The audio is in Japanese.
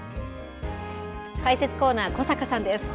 解説コーナー、小坂さんです。